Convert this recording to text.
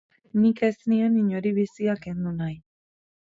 Nik ez nion inori bizia kendu nahi.